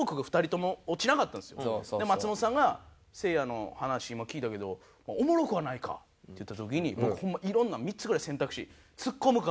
松本さんが「せいやの話今聞いたけどおもろくはないか」って言った時にホンマ色んな３つぐらい選択肢ツッコむか？